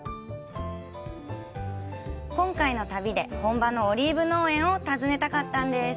今回の旅で、本場のオリーブ農園を訪ねたかったんです。